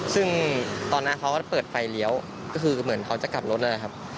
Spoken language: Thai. ซึ่งตอนนั้นเขาก็เปิดไฟเลี้ยวก็คือเหมือนเขาจะกลับรถนั่นแหละครับ